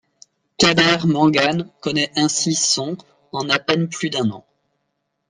Kader Mangane connait ainsi son en à peine plus d'un an.